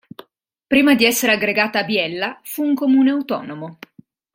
Prima di essere aggregata a Biella fu un comune autonomo.